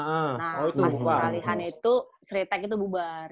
nah pas peralihan itu sritek itu bubar